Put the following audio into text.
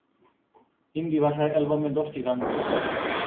হিন্দি ভাষার অ্যালবামে দশটি গান রয়েছে।